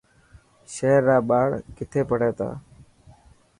شهر را ٻاڙ کٿي پڙهي ٿا.